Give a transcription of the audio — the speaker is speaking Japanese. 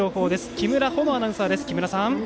木村穂乃アナウンサーです。